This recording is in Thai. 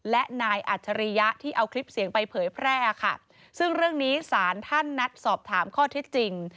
และนายอัจฉริยะที่เอาคลิปเสียงไปเผยแพร่ค่ะซึ่งเรื่องนี้สารท่านนัดสอบถามข้อเท็จจริง